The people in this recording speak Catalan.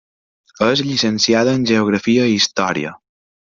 És llicenciada en Geografia i Història.